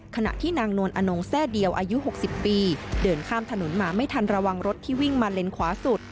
ขณะที่นางนวลอนงแซ่เดียวอายุ๖๐ปีเดินข้ามถนนมาไม่ทันระวังรถที่วิ่งมาเลนขวาสุด